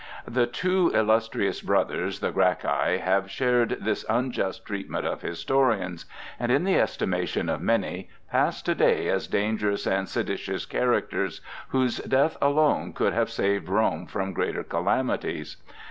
The two illustrious brothers, the Gracchi, have shared this unjust treatment of historians, and in the estimation of many, pass to day as dangerous and seditious characters whose death alone could have saved Rome from greater calamities.